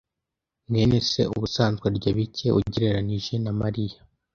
mwene se ubusanzwe arya bike ugereranije na Mariya.